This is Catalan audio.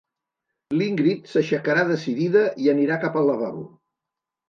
L'Ingrid s'aixecarà decidida i anirà cap al lavabo.